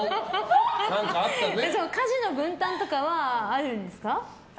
家事の分担とかはあるんですか？